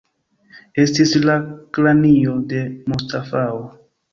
Estis la kranio de Mustafao.